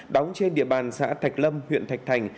đóng trên địa bàn xã thạch lâm huyện thạch thành